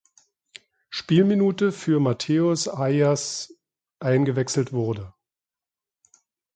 Spielminute für Matheus Aias eingewechselt wurde.